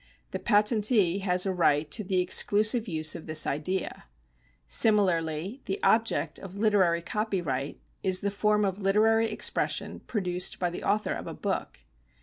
The patentee has a right to the exclusive use of this idea. Similarly the object of literary copyright is the form of literary expression produced by the author of a book.